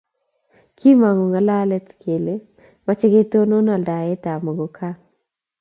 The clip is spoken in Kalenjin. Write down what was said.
kimong'u ng'alalet kele mochei ketonon aldaetab muguka